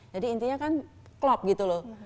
jadi intinya kan klop gitu loh